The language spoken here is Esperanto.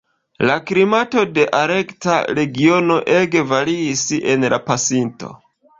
La klimato de Arkta regiono ege variis en la pasinto.